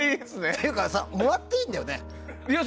っていうかもらっていいんだよね？